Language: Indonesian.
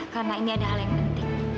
karena ini ada hal yang penting